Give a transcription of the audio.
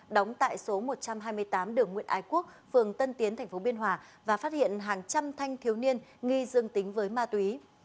đóng tại số một trăm hai mươi tám đường nguyễn ái quốc phường tân tiến tp biên hòa và phát hiện hàng trăm thanh thiếu niên nghi dương tính với ma túy